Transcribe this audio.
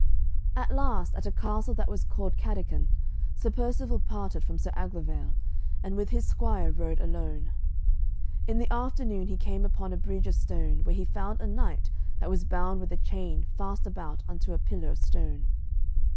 At last, at a castle that was called Cardican, Sir Percivale parted from Sir Aglovale, and with his squire rode alone. In the afternoon he came upon a bridge of stone, where he found a knight that was bound with a chain fast about unto a pillar of stone.